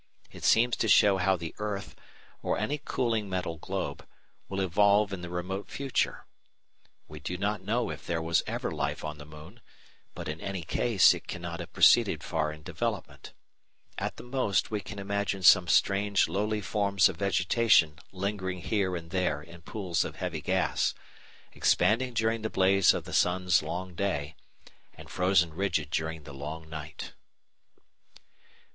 It seems to show how the earth, or any cooling metal globe, will evolve in the remote future. We do not know if there was ever life on the moon, but in any case it cannot have proceeded far in development. At the most we can imagine some strange lowly forms of vegetation lingering here and there in pools of heavy gas, expanding during the blaze of the sun's long day, and frozen rigid during the long night.